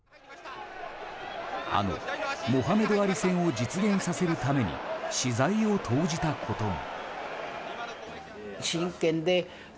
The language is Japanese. あのモハメド・アリ戦を実現させるために私財を投じたことも。